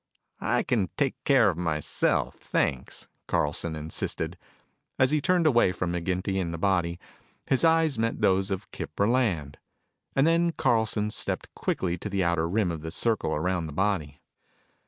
"I can take care of myself, thanks," Carlson insisted. As he turned away from McGinty and the body, his eyes met those of Kip Burland. And then Carlson stepped quickly to the outer rim of the circle around the body.